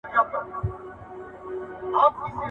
• دا ئې قواله په چا ئې منې.